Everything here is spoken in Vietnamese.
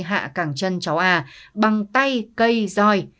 hạ cẳng chân cháu a bằng tay cây roi